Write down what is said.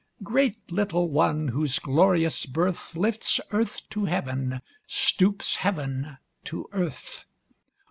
Great little one, whose glorious birth, Lifts Earth to Heaven, stoops heaven to earth.